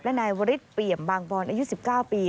และนายวริสเปี่ยมบางบอนอายุ๑๙ปี